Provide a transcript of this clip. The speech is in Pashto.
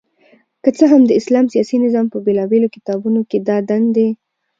که څه هم د اسلام سياسي نظام په بيلابېلو کتابونو کي دا دندي